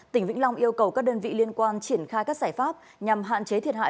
tỉnh vĩnh long yêu cầu các đơn vị liên quan triển khai các giải pháp nhằm hạn chế thiệt hại